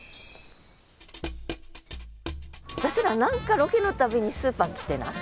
私ら何かロケの度にスーパー来てない？